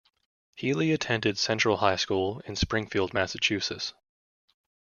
Healey attended Central High School in Springfield, Massachusetts.